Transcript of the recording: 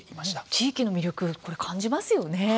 地域の魅力を感じますね。